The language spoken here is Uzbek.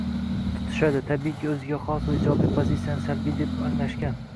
tutishadi, tabiiyki, o‘ziga xos va ijobiy “pozitsiyani” salbiy deb anglashga